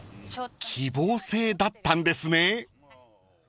［希望制だったんですね］